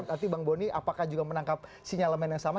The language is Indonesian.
nanti bang boni apakah juga menangkap sinyalemen yang sama